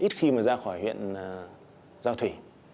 ít khi mà ra khỏi huyện giao thủy